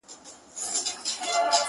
لکه په کلي کي بې کوره ونه،